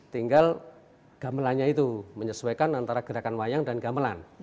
tinggal gamelannya itu menyesuaikan antara gerakan wayang dan gamelan